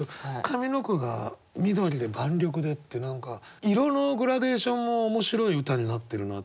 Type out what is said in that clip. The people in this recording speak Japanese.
上の句が緑で万緑でって何か色のグラデーションも面白い歌になってるな。